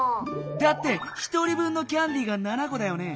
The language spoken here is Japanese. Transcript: だって１人分のキャンディーが７こだよね？